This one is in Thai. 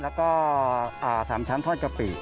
แล้วก็๓ชั้นทอดกะปิ